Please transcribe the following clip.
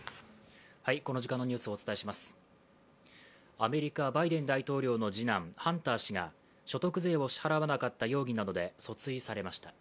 アメリカ、バイデン大統領の次男・ハンター氏が所得税を支払わなかった容疑などで訴追されました。